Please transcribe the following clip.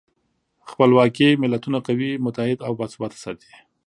خپلواکي ملتونه قوي، متحد او باثباته ساتي.